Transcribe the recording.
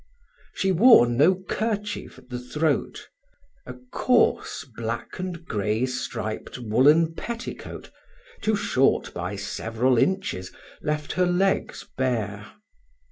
She wore no kerchief at the throat. A coarse black and gray striped woolen petticoat, too short by several inches, left her legs bare.